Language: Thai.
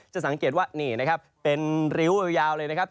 จะสังเกตว่านี่นะครับเป็นริ้วยาวเลยนะครับ